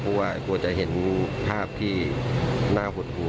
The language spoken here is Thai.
เพราะว่ากลัวจะเห็นภาพที่น่าหดหู